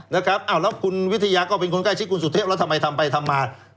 นะครับอ้าวแล้วคุณวิทยาก็เป็นคนใกล้ชิดคุณสุเทพแล้วทำไมทำไปทำมา